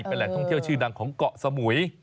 เป็นแหล่งท่องเที่ยวชื่อดังของเกาะสมุย